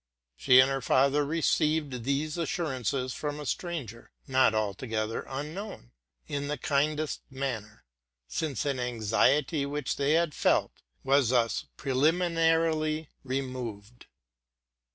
She and her father re ceived these assurances from a stranger, not altogether unknown, in the kindest manner; since an anxiety which they had felt was thus preliminarily removed.